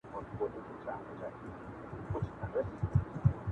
د وجدان يو تلپاتې درد دی-